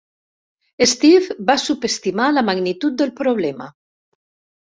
Steve va subestimar la magnitud del problema.